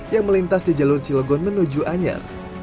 yang melintas di jalur cilegon menuju anyar